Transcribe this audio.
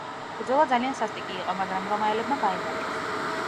ბრძოლა ძალიან სასტიკი იყო, მაგრამ რომაელებმა გაიმარჯვეს.